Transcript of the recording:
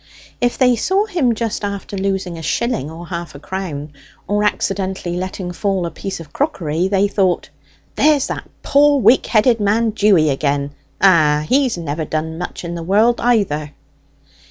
If they saw him just after losing a shilling or half a crown, or accidentally letting fall a piece of crockery, they thought, "There's that poor weak minded man Dewy again! Ah, he's never done much in the world either!"